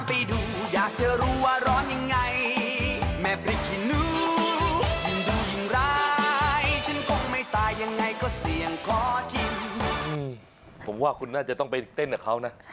ผมว่าคุณน่าจะต้องไปเต้นกับเขานะ